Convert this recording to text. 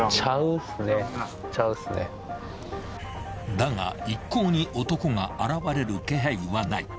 ［だが一向に男が現れる気配はない］